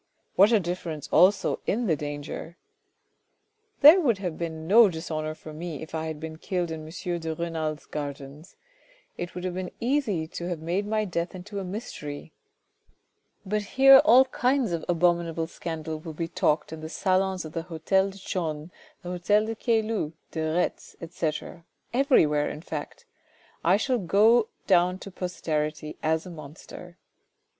What a difference also in the danger !" "There would have been no dishonour for me if I had been killed in M. de Renal's gardens. It would have been easy to have made my death into a mystery. But here all kinds of abominable scandal will be talked in the salons of the hotel de Chaulnes, the hotel de Caylus, de Retz, etc., everywhere in fact. I shall go down to posterity as a monster."